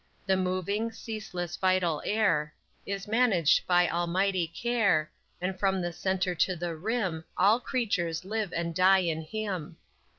_ _The moving, ceaseless vital air Is managed by Almighty care, And from the center to the rim, All creatures live and die in Him.